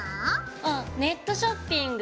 あっネットショピング。